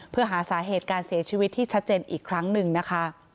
เพื่อหาสาเหตุการเสียชีวิตที่ชัดเจนอีกครั้งหนึ่งนะคะ